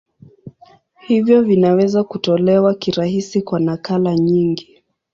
Hivyo vinaweza kutolewa kirahisi kwa nakala nyingi.